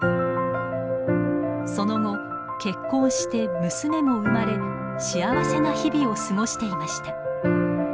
その後結婚して娘も生まれ幸せな日々を過ごしていました。